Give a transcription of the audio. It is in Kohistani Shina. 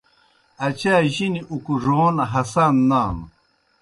اچا جِنیْ اُکڙَون ہسان نانوْ۔